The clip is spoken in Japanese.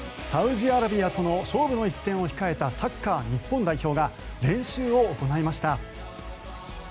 サウジアラビアとの勝負の一戦を控えたサッカー、日本代表が練習を行いました。